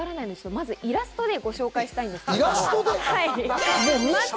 まずはイラストでご紹介したいと思います。